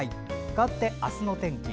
かわって、明日のお天気。